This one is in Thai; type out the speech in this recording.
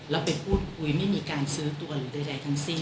เราไปพูดอุ๊ยไม่มีการซื้อตัวใดทั้งสิ้น